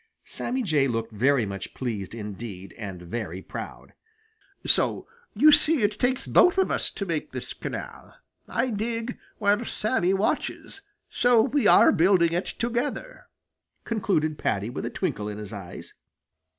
Sammy Jay looked very much pleased indeed and very proud. "So you see it takes both of us to make this canal; I dig while Sammy watches. So we are building it together," concluded Paddy with a twinkle in his eyes.